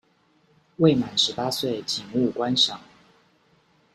未滿十八歲請勿觀賞